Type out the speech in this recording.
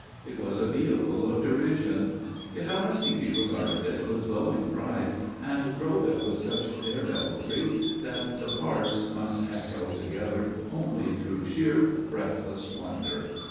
It was a vehicle of derision. Yet Aristide regarded it with glowing pride and drove it with such daredevilry that the parts must have held together only through sheer breathless wonder.